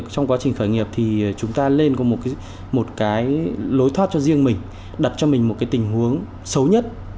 trong quá trình khởi nghiệp thì chúng ta lên một cái lối thoát cho riêng mình đặt cho mình một cái tình huống xấu nhất